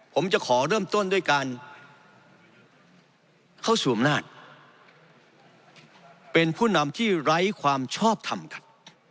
ผมจะขอเริ่มต้นด้วยการเข้าสู่อำนาจเป็นผู้นำที่ไร้ความชอบทำครับ